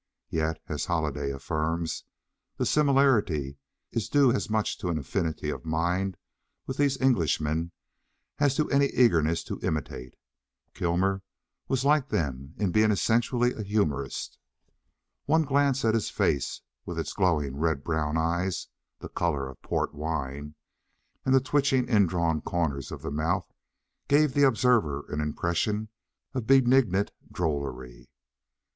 Yet, as Holliday affirms, the similarity is due as much to an affinity of mind with these Englishmen as to any eagerness to imitate. Kilmer was like them in being essentially a humorist. One glance at his face, with its glowing red brown eyes (the colour of port wine), and the twitching in drawn corners of the mouth, gave the observer an impression of benignant drollery.